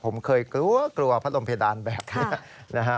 ผมเคยกลัวกลัวพัดลมเพดานแบบนี้นะฮะ